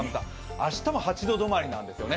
明日も８度どまりなんですね。